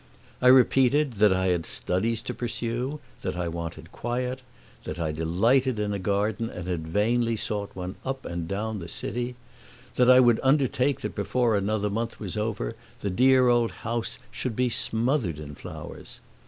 I repeated that I had studies to pursue; that I wanted quiet; that I delighted in a garden and had vainly sought one up and down the city; that I would undertake that before another month was over the dear old house should be smothered in flowers.